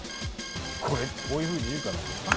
これこういうふうに言うかな？